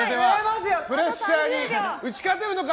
プレッシャーに打ち勝てるのか。